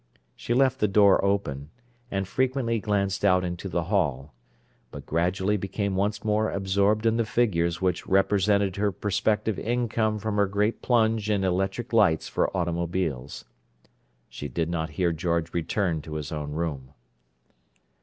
She left the door open, and frequently glanced out into the hall, but gradually became once more absorbed in the figures which represented her prospective income from her great plunge in electric lights for automobiles. She did not hear George return to his own room.